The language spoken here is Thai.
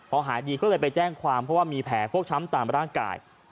พอหายดีก็เลยไปแจ้งความเพราะว่ามีแผลฟกช้ำตามร่างกาย